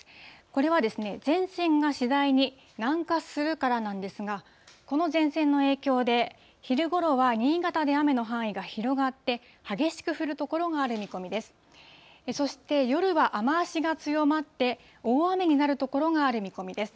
これは前線が次第に南下するからなんですが、この前線の影響で、昼ごろは新潟で雨の範囲が広がって、激しく降る所がある見込みです。